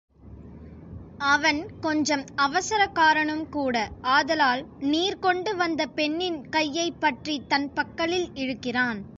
அவன் கொஞ்சம் அவசரக்காரனும் கூட ஆதலால் நீர் கொண்டு வந்த பெண்ணின் கையைப் பற்றித் தன் பக்கலில் இழுக்கிறான்.